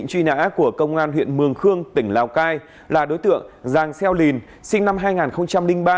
tỉnh lào cai là đối tượng giàng xeo lìn sinh năm hai nghìn ba